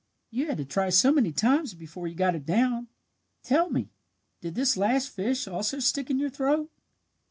You had to try so many times before you got it down. Tell me, did this last fish also stick in your throat?"